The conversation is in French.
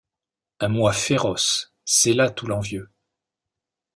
Un moi féroce, c’est là tout l’envieux.